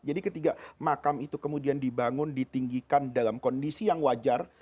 jadi ketika makam itu kemudian dibangun ditinggikan dalam kondisi yang wajar